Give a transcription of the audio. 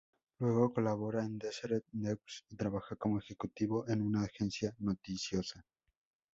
Luego colabora en Deseret News y trabaja como ejecutivo en una agencia noticiosa.